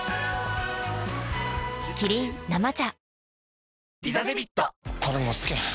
キリン「生茶」